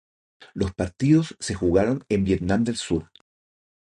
Los partidos se jugaron en Vietnam del Sur.